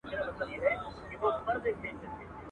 خو چي راغلې پر موږ کرونا ده.